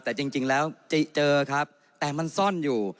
แต่จริงแล้วเจอครับแต่มันซ่อนอยู่